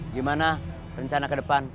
gimana rencana ke depan